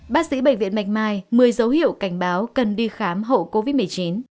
bác sĩ bệnh viện bạch mai một mươi dấu hiệu cảnh báo cần đi khám hậu covid một mươi chín